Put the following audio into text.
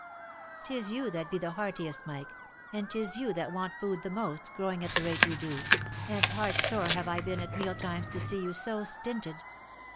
Tis you that be the heartiest Mike, and 'tis you that want food the most, growing at the rate you do, and heart sore have I been at meal times to see you so stinted.